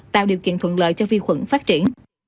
tạo điều kiện thuận lợi cho vi khuẩn phát triển